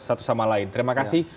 satu sama lain terima kasih